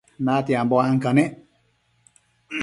natianbo ancanec